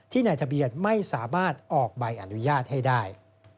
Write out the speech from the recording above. ในทะเบียนไม่สามารถออกใบอนุญาตให้ได้